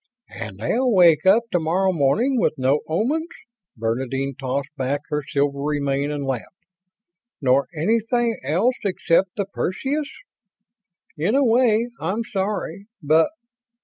"And they'll wake up tomorrow morning with no Omans?" Bernadine tossed back her silvery mane and laughed. "Nor anything else except the Perseus? In a way, I'm sorry, but